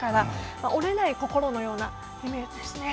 折れない心のようなイメージです。